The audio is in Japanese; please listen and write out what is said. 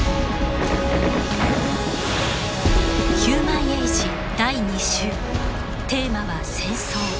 「ヒューマンエイジ第２集」テーマは「戦争」。